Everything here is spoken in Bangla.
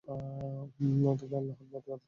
তোমরা আল্লাহর ইবাদত কর।